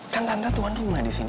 kan tante tuan rumah disini